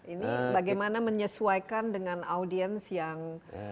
ini bagaimana menyesuaikan dengan audiens yang